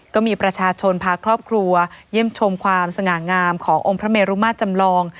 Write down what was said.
ก็มีประชาชนพาครอบครัวเยี่ยมชมความสง่างามขององค์พระเมรุมาตรจำลอง